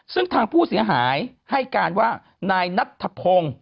ซึ่งทางผู้เสียหายให้การว่านายนัทธพงศ์